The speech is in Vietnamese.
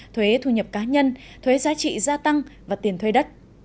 thuế thu nhập cá nhân thuế giá trị gia tăng và tiền thuê đất